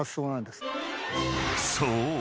［そう。